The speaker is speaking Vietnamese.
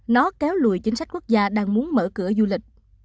nó kéo lùi chính sách quốc gia đang muốn mở cửa du lịch